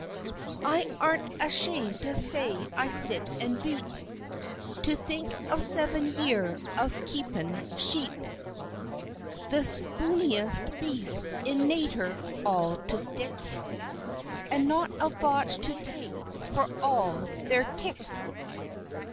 "I arn't ashamed to say I sit and veep To think of Seven Year of keepin Sheep, The spooniest Beast in Nater, all to Sticks, And not a Votch to take for all their Ticks!